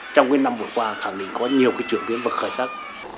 trong cái năm vừa qua khẳng định có nhiều cái chuyển biến vật khởi sắc